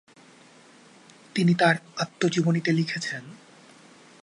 তিনি তার আত্মজীবনীতে লিখেছেন: